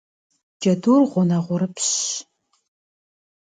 Джэдур гъунэгъурыпщщ.